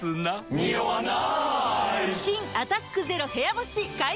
ニオわない！